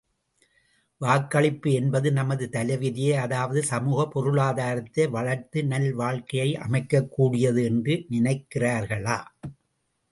வாக்களிப்பு என்பது நமது தலைவிதியை அதாவது சமூக, பொருளாதாரத்தை வளர்த்து நல்வாழ்க்கையை அமைக்கக் கூடியது என்று நினைக்கிறார்களா?